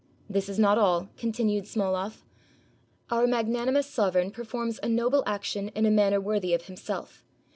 "This is not all," continued Smoloff, "our magnanimous sovereign performs a noble action in a manner worthy of himself.